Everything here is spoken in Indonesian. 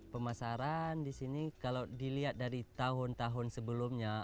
pemasaran di sini kalau dilihat dari tahun tahun sebelumnya